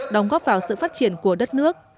đóng góp vào sự phát triển của đất nước